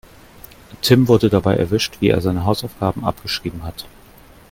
Tim wurde dabei erwischt, wie er seine Hausaufgaben abgeschrieben hat.